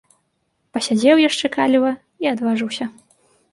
Пасядзеў яшчэ каліва і адважыўся.